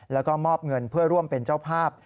แล้วก็มอบเงินเพื่อร่วมเป็นเจ้าภาพ